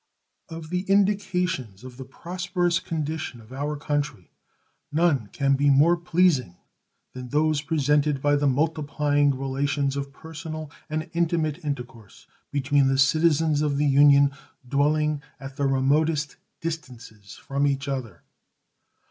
Of the indications of the prosperous condition of our country, none can be more pleasing than those presented by the multiplying relations of personal and intimate intercourse between the citizens of the Union dwelling at the remotest distances from each other.